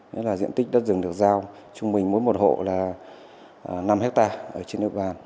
nó là diện tích đất rừng được giao chung mình mỗi một hộ là năm hectare ở trên nước vàng